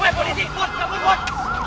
weh bodi dikot